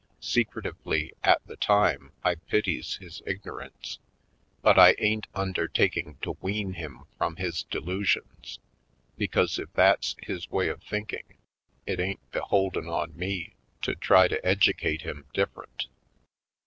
Secretively, at the time, I pities his ignorance, but I ain't undertaking to wean him from his delusions, because if that's his way of thinking it ain't beholden on me to try to educate him different.